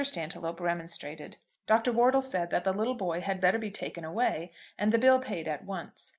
Stantiloup remonstrated. Dr. Wortle said that the little boy had better be taken away and the bill paid at once.